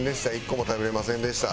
１個も食べられませんでした。